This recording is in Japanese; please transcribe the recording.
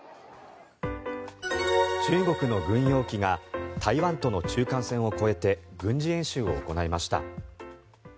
中国の軍用機が台湾との中間線を越えて軍事演習を行いました。